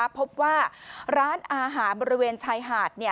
พบว่าร้านอาหารบริเวณชายหาด